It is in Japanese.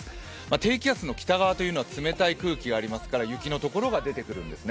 低気圧の北側というのは、冷たい空気がありますから雪の所が出てくるんですね。